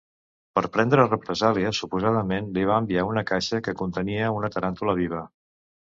Per prendre represàlies, suposadament li va enviar una caixa que contenia una taràntula viva.